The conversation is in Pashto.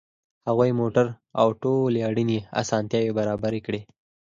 هغوی موټر او ټولې اړینې اسانتیاوې برابرې کړې